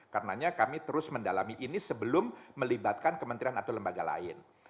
karenanya kami terus mendalami ini sebelum melibatkan kementerian atau lembaga lain